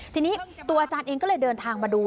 ทีนี้ตัวอาจารย์เองก็เลยเดินทางมาดู